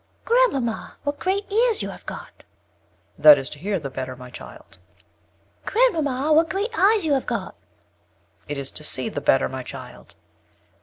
"Grand mamma, what great ears you have got!" "That is to hear the better, my child." "Grand mamma, what great eyes you have got!" "It is to see the better, my child."